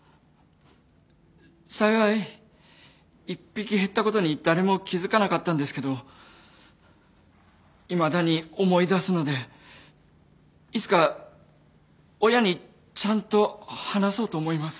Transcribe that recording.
幸い１匹減ったことに誰も気付かなかったんですけどいまだに思い出すのでいつか親にちゃんと話そうと思います。